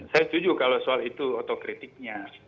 saya setuju kalau soal itu otokritiknya